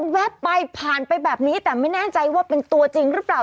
แป๊บไปผ่านไปแบบนี้แต่ไม่แน่ใจว่าเป็นตัวจริงหรือเปล่า